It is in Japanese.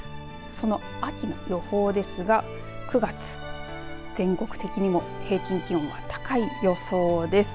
その秋の予報ですが９月全国的にも平均気温は高い予想です。